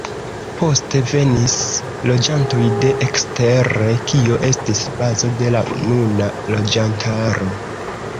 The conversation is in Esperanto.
Poste venis loĝantoj de ekstere kio estis bazo de la nuna loĝantaro.